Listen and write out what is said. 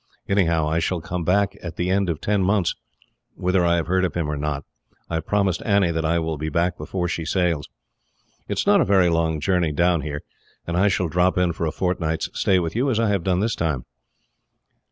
Anyhow, I shall come back at the end of ten months, whether I have heard of him or not. I have promised Annie that I will be back before she sails. It is not a very long journey down here, and I shall drop in for a fortnight's stay with you, as I have done this time."